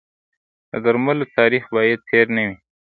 د درملو تاریخ باید تېر نه وي.